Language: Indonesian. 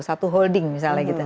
satu holding misalnya gitu